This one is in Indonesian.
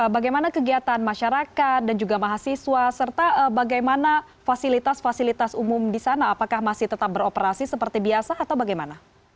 bagaimana kegiatan masyarakat dan juga mahasiswa serta bagaimana fasilitas fasilitas umum di sana apakah masih tetap beroperasi seperti biasa atau bagaimana